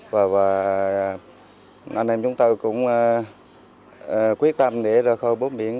và anh em chúng tôi cũng quyết tâm để khôi bốn biển